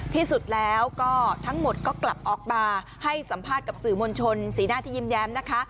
ที่สุดแล้วก็ทั้งหมดก็กลับออกมาให้สัมภาษณ์กับสื่อมวลชนสีหน้าที่ยิ้มแย้มนะคะ